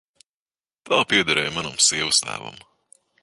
Tā piederēja manam sievastēvam.